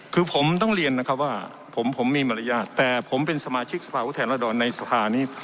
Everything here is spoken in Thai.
คือผมต้องเรียนนะครับว่าผมมีมารยาทแต่ผมเป็นสมาชิกสภาพุทธแทนรัศดรในสภานี้